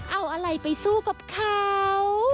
เอาอะไรไปสู้กับเขา